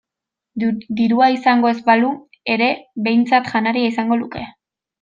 Dirua izango ez balu ere behintzat janaria izango luke.